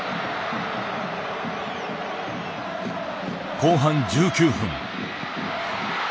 後半１９分。